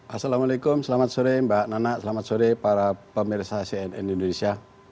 assalamualaikum selamat sore mbak nana selamat sore para pemirsa cnn indonesia